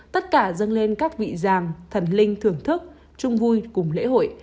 tất cả dâng lên các vị giàng thần linh thưởng thức chung vui cùng lễ hội